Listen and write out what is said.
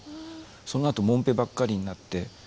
そのあともんぺばっかりになって。